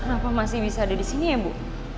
kenapa masih bisa ada disini ya bu